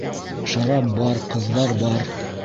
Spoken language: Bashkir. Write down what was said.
Шарап бар, ҡыҙҙар бар.